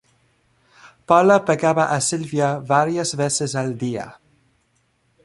Paula pegaba a Sylvia varias veces al día.